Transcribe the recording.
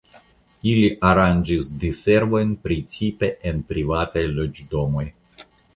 Ili aranĝis diservojn precipe en privataj loĝdomoj.